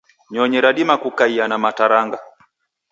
Nyonyi radima kukaia na mataranga.